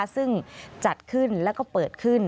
ซึ่งจัดขึ้นแล้วก็เปิดขึ้น